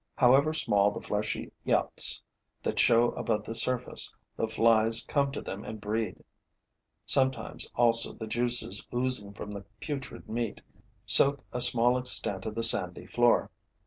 However small the fleshy eyots that show above the surface, the flies come to them and breed. Sometimes also the juices oozing from the putrid meat soak a small extent of the sandy floor.